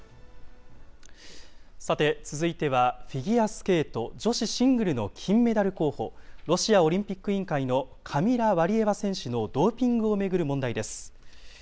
さて続いては、フィギュアスケート女子シングルの金メダル候補、ロシアオリンピック委員会のカミラ・ワリエワ選手のドーピングを巡る問題です。